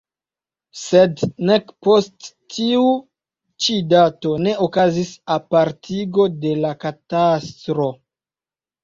Sed nek post tiu ĉi dato ne okazis apartigo de la katastro.